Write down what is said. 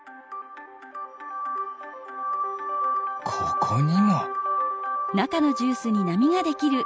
ここにも。